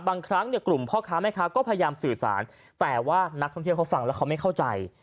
บางครั้งเนี่ยกลุ่มพ่อค้าแม่ค้าก็พยายามสื่อสารแต่ว่านักท่องเที่ยวเขาฟังแล้วเขาไม่เข้าใจ